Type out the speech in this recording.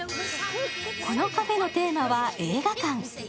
このカフェのテーマは映画館。